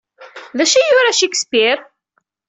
D acu ay yura Shakespeare?